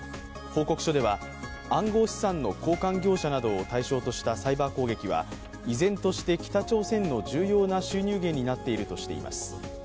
報告書では暗号資産の交換業者などを対象としたサイバー攻撃は依然として北朝鮮の重要な収入源になっているとしています。